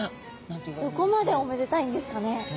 どこまでおめでたいんですかね。